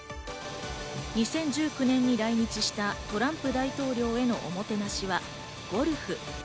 ２０１９年に来日したトランプ大統領へのおもてなしはゴルフ。